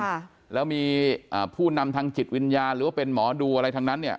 ค่ะแล้วมีอ่าผู้นำทางจิตวิญญาณหรือว่าเป็นหมอดูอะไรทั้งนั้นเนี่ย